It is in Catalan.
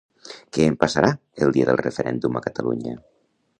Què em passarà el dia del referèndum a Catalunya?